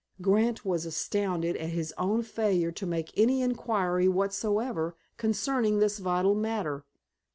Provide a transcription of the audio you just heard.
Grant was astounded at his own failure to make any inquiry whatsoever concerning this vital matter.